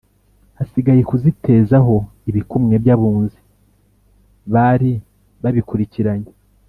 Hasigaye kuzitezaho ibikumwe by’Abunzi bari babikurikiranye